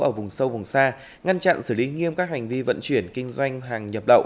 ở vùng sâu vùng xa ngăn chặn xử lý nghiêm các hành vi vận chuyển kinh doanh hàng nhập lậu